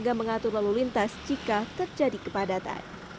agar mengatur lalu lintas jika terjadi kepadatan